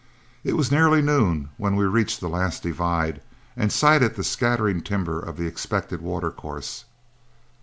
It was nearly noon when we reached the last divide, and sighted the scattering timber of the expected watercourse.